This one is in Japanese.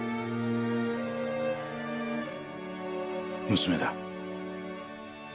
娘だ。